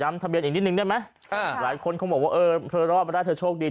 ทะเบียนอีกนิดนึงได้ไหมอ่าหลายคนคงบอกว่าเออเธอรอดมาได้เธอโชคดี